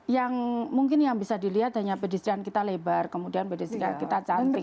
yang mungkin yang bisa dilihat hanya pedestrian kita lebar kemudian pedestrian kita cantik